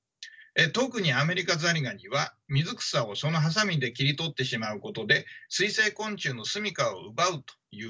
特にアメリカザリガニは水草をそのハサミで切り取ってしまうことで水生昆虫の住みかを奪うという影響までもたらします。